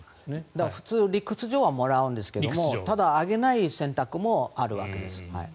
普通、理屈上はもらえるんですけどあげない選択もあるんです。